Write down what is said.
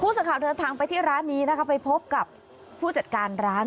สื่อข่าวเดินทางไปที่ร้านนี้นะคะไปพบกับผู้จัดการร้าน